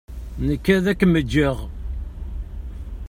Nekki ad akem-ǧǧeɣ.